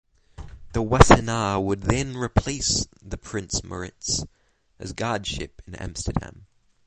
The "Wassenaar" would then replace the "Prince Maurits" as Guard ship in Amsterdam.